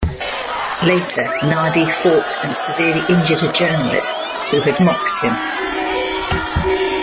Later Nadi fought and severely injured a journalist who had mocked him.